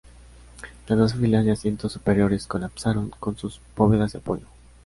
Las doce filas de asientos superiores colapsaron con sus bóvedas de apoyo.